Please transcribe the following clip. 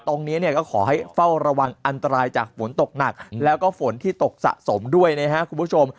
ตรงนี้เนี่ยก็ขอให้เฝ้าระวังอันตรายจากฝนตกหนักแล้วก็ฝนที่ตกสะสมด้วยนะครับคุณผู้ชม